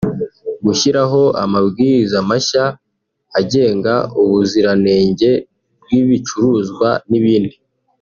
gushyiraho amabwiriza mashya agenga ubuziranenge bw’ibicuruzwa n’ibindi